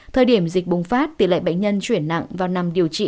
thời điểm dịch bùng phát tỷ lệ bệnh nhân chuyển nặng vào năm điều trị